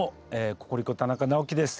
ココリコ田中直樹です。